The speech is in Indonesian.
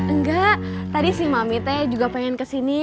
enggak tadi si mami teh juga pengen kesini